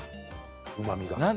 うまみが。